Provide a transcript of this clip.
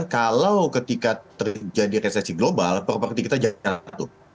kalau ketika terjadi resesi global properti kita jatuh